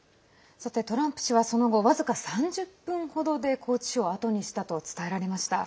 さて、トランプ氏はその後、僅か３０分程で拘置所をあとにしたと伝えられました。